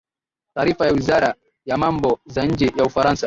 taarifa ya wizara ya mambo za nje ya ufaransa